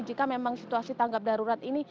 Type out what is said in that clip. jika memang situasi tanggap darurat ini